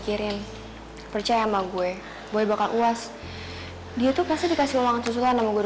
tadi saya ajar boy abis abisan sampai babak belur